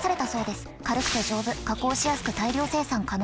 軽くて丈夫加工しやすく大量生産可能。